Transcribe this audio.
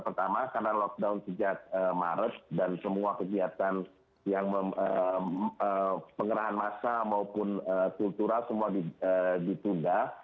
pertama karena lockdown sejak maret dan semua kegiatan yang pengerahan masa maupun kultural semua ditunda